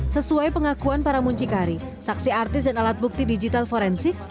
sesuai pengakuan para muncikari saksi artis dan alat bukti digital forensik